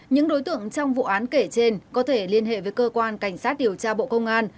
những đối tượng trong vụ án kể trên có thể liên hệ với cơ quan cảnh sát điều tra bộ công an